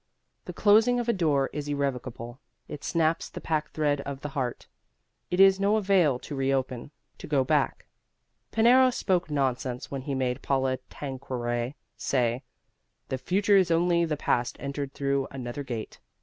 The closing of a door is irrevocable. It snaps the packthread of the heart. It is no avail to reopen, to go back. Pinero spoke nonsense when he made Paula Tanqueray say, "The future is only the past entered through another gate."